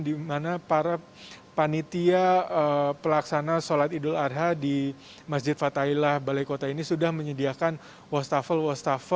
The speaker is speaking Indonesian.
di mana para panitia pelaksana sholat idul adha di masjid fatailah balai kota ini sudah menyediakan wastafel wastafel